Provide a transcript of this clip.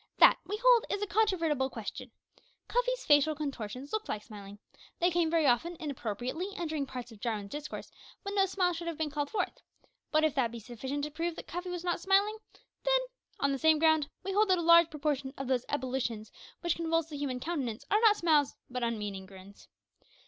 That, we hold, is a controvertible question. Cuffy's facial contortions looked like smiling. They came very often inappropriately, and during parts of Jarwin's discourse when no smile should have been called forth; but if that be sufficient to prove that Cuffy was not smiling, then, on the same ground, we hold that a large proportion of those ebullitions which convulse the human countenance are not smiles but unmeaning grins.